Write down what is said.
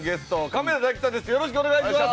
よろしくお願いします！